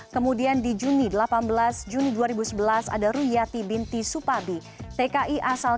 kemudian di juni dua ribu delapan belas juni dua ribu sebelas ada ruyati binti supabi yang juga dieksekusi mati atas tuduhan membunuh majikan perempuannya dengan pisau